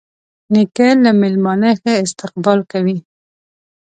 نیکه له میلمانه ښه استقبال کوي.